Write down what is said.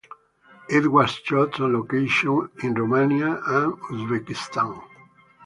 It was shot on location in Romania and Uzbekistan.